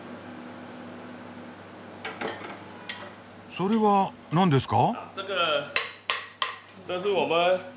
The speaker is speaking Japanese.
それは何ですか？